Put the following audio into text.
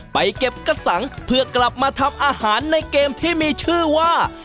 ไปเก็บกระสังเพื่อกลับมาทำอาหารในเกมที่มีชื่อว่า